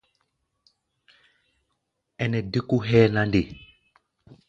Ɛnɛ dé kó hʼɛ́ɛ́ na nde?